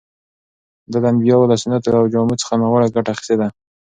ده د انبیاوو له سنتو او جامو څخه ناوړه ګټه اخیستې ده.